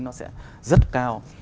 nó sẽ rất cao